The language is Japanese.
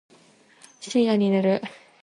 深夜に寝る